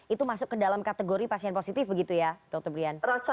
itu masuk ke dalam kategori pasien positif begitu ya dokter brian